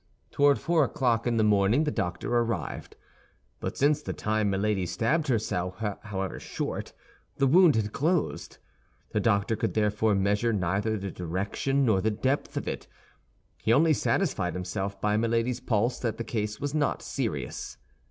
Toward four o'clock in the morning the doctor arrived; but since the time Milady stabbed herself, however short, the wound had closed. The doctor could therefore measure neither the direction nor the depth of it; he only satisfied himself by Milady's pulse that the case was not serious.